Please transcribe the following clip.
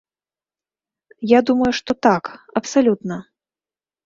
Я думаю, што так, абсалютна.